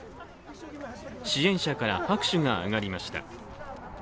支援者から拍手が上がりました。